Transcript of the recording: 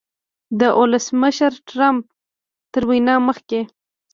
د ولسمشر ټرمپ تر وینا مخکې